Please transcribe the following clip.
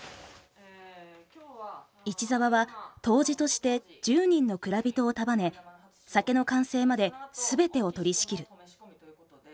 市澤は杜氏として１０人の蔵人を束ね酒の完成まで全てを取りしきる。